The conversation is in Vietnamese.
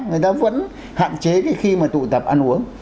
người ta vẫn hạn chế khi mà tụ tập ăn uống